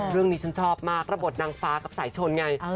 เรื่องนี้ฉันชอบมากระบบนางฟ้ากับสายชนไง